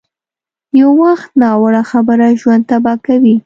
یو وخت ناوړه خبره ژوند تباه کوي.